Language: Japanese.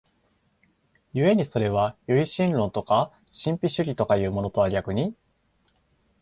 故にそれは唯心論とか神秘主義とかいうものとは逆に、